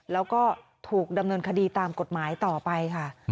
แล้วก็ถูกดำเนินคดีตามกฎหมายต่อไปค่ะ